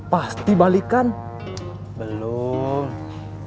pasti balikan belum